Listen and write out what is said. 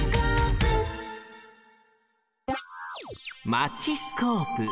マチスコープ。